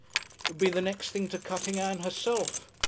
It would be the next thing to cutting Ann herself.